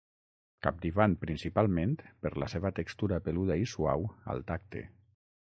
Captivant principalment per la seva textura peluda i suau al tacte.